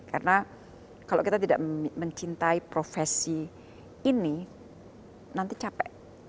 karena kalau kita tidak mencintai profesi ini nanti capek